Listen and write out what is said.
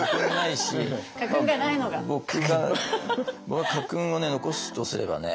僕が家訓を残すとすればね